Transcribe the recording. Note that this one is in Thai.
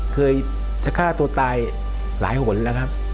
เคยจะฆ่าตัวตายหลายหนแล้วครับ